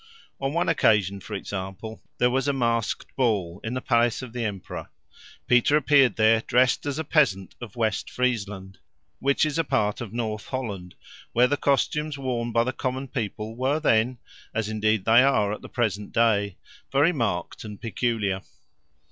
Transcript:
On one occasion, for example, there was a masked ball in the palace of the emperor; Peter appeared there dressed as a peasant of West Friesland, which is a part of North Holland, where the costumes worn by the common people were then, as indeed they are at the present day, very marked and peculiar.